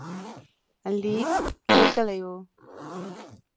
لیک لېږلی وو.